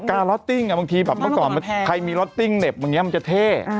ปากกาล็อตติ้งบางทีแบบเมื่อก่อนใครมีล็อตติ้งเน็บมันจะเท่